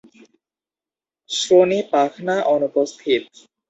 শ্রোণী পাখনা অনুপস্থিত।